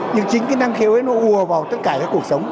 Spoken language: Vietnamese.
nhưng chính cái năng khiếu nó ùa vào tất cả các cuộc sống